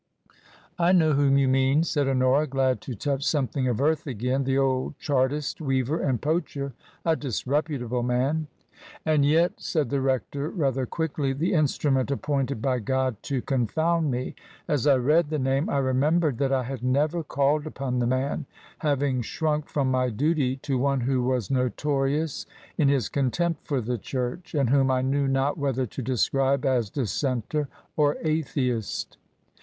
"I know whom you mean," said Honora, glad to touch something of earth again ;" the old Chartist weaver and poacher. A disreputable man." " And yet," said the rector, rather quickly, the in strument appointed by God to confound me. As I read the name I remembered that I had never called upon the man, having shrunk from my duty to one who was noto rious in his contempt for the church, and whom I knew not whether to describe as dissenter or atheist.